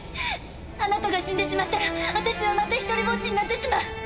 あなたが死んでしまったら私はまたひとりぼっちになってしまう！